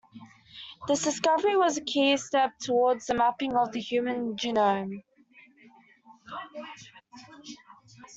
This discovery was a key step toward the mapping of the human genome.